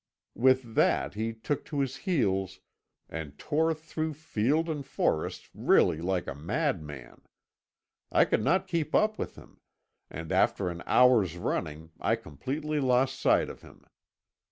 With that he took to his heels and tore through field and forest really like a madman. I could not keep up with him, and after an hour's running I completely lost sight of him.